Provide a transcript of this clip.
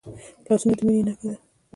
لاسونه د میننې نښه ده